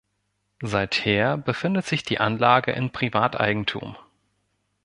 Seither befindet sich die Anlage in Privateigentum.